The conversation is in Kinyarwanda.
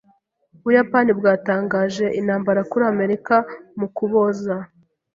Ubuyapani bwatangaje intambara kuri Amerika mu Kuboza